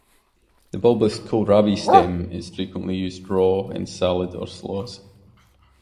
The bulbous kohlrabi stem is frequently used raw in salad or slaws.